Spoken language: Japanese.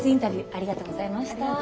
ありがとうございます。